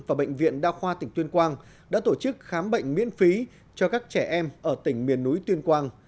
và bệnh viện đa khoa tỉnh tuyên quang đã tổ chức khám bệnh miễn phí cho các trẻ em ở tỉnh miền núi tuyên quang